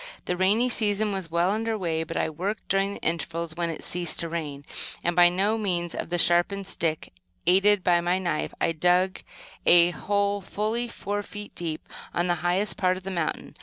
The rainy season was well under way; but I worked during the intervals when it ceased to rain, and, by means of a sharpened stick, aided by my knife, I dug a hole fully four feet deep, on the highest part of the mountain.